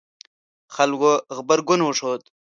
خلکو غبرګون وښود